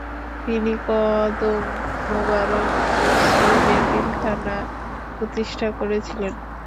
তিনি কদম মোবারক মুসলিম এতিম খানা প্রতিষ্ঠা করেছিলেন।